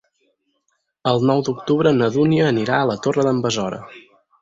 El nou d'octubre na Dúnia anirà a la Torre d'en Besora.